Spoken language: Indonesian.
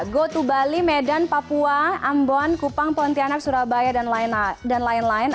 gotu bali medan papua ambon kupang pontianak surabaya dan lain lain